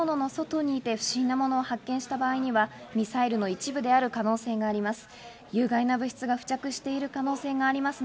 また建物の外に出て不審なものを発見した場合にはミサイルの一部の可能性があります。